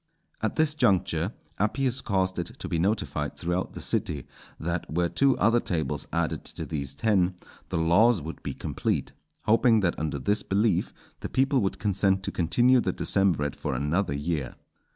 At this juncture Appius caused it to be notified throughout the city that were two other tables added to these ten, the laws would be complete; hoping that under this belief the people would consent to continue the decemvirate for another year.